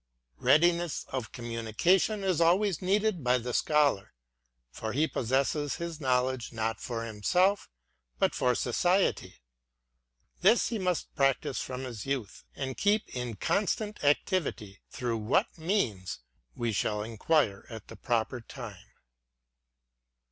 Readiness of communication is always needed by the Scholar, for he possesses his Knowledge not for himself, but for society. This he must practise from his youth, and keep in constant activity, — through what means we shall inquire at the proper time.